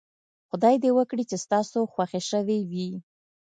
خدای دې وکړي چې ستاسو خوښې شوې وي.